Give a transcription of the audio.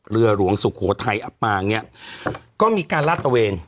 เรือหลวงสุโขทัยอับปางเนี่ยก็มีการลาดตะเวน